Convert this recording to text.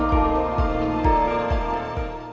terimakasih dapat menonton